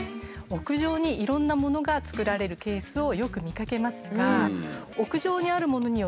屋上にいろんなものが作られるケースをよく見かけますが。